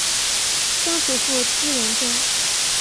曾祖父朱仁仲。